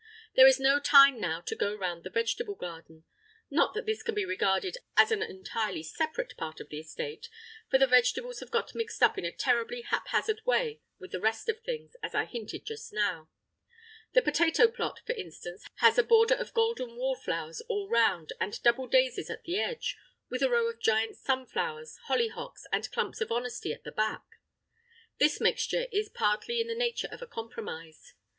There is no time now to go round the vegetable garden—not that this can be regarded as an entirely separate part of the estate, for the vegetables have got mixed up in a terribly haphazard way with the rest of things, as I hinted just now. The potato plot, for instance, has a border of golden wallflowers all round and double daisies at the edge, with a row of giant sunflowers, hollyhocks, and clumps of honesty at the back. This mixture is partly in the nature of a compromise.